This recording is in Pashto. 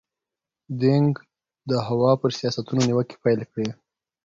دینګ د هوا پر سیاستونو نیوکې پیل کړې.